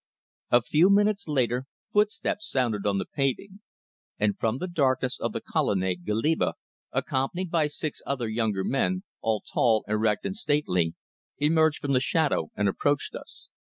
A few minutes later footsteps sounded on the paving, and from the darkness of the colonnade Goliba, accompanied by six other younger men, all tall, erect and stately, emerged from the shadow and approached us.